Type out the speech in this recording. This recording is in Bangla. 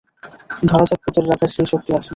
ধরা যাক, ভূতের রাজার সেই শক্তি আছে।